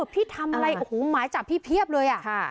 พี่ทำอะไรหมายจับพี่เพียบเลยอ่ะ